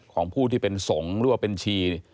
ของผู้ที่เป็นสงฆ์หรือว่าเป็นชี